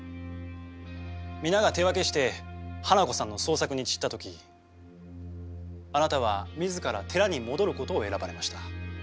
皆が手分けして花子さんの捜索に散った時あなたは自ら寺に戻る事を選ばれました。